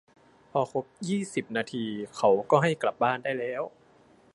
พอครบยี่สิบนาทีเขาก็ให้กลับบ้านได้แล้ว